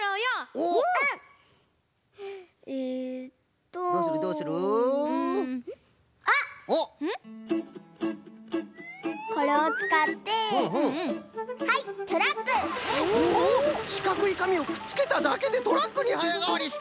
おっしかくいかみをくっつけただけでトラックにはやがわりした！